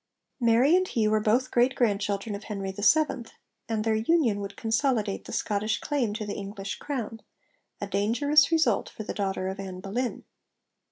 Mary and he were both great grandchildren of Henry VII., and their union would consolidate the Scottish claim to the English crown a dangerous result for the daughter of Ann Boleyn.